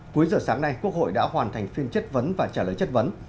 cuối giờ sáng nay quốc hội đã hoàn thành phiên chất vấn và trả lời chất vấn